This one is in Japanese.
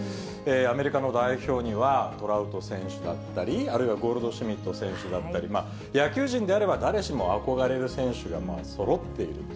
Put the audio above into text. アメリカの代表にはトラウト選手だったり、あるいはゴールドシュミット選手だったり、野球人であれば誰しも憧れる選手がそろっていると。